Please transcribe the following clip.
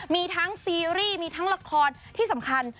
มีทั้งซีรีส์มีทั้งละครที่สำคัญ